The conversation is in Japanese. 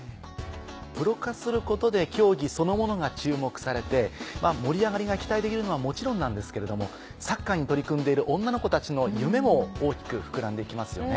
プロ化することで競技そのものが注目されて盛り上がりが期待できるのはもちろんなんですけれどもサッカーに取り組んでいる女の子たちの夢も大きく膨らんで来ますよね。